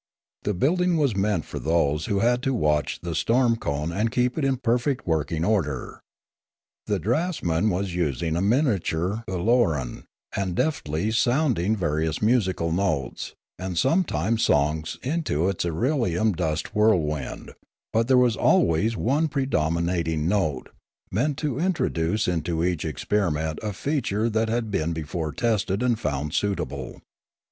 The building was meant for those who had to watch the storm cone and keep it in perfect working order. The draughtsman was using a miniature Ool oran, and deftly sounding various musical notes, and sometimes songs into its irelium dust whirlwind; but there was always one predominating note, meant to in troduce into each experiment a feature that had been before tested and found suitable.